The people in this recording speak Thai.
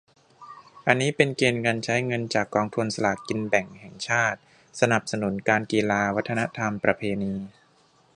อันนี้เป็นเกณฑ์การใช้เงินจากกองทุนสลากกินแบ่งแห่งชาติ : สนับสนุนการกีฬา วัฒนธรรมประเพณี